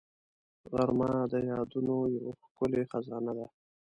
غرمه د یادونو یو ښکلې خزانه ده